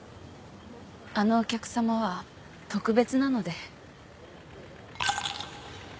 あのお客さまは特別なので。